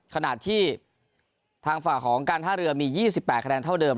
ขณะที่ทางฝั่งของการท่าเรือมี๒๘คะแนนเท่าเดิม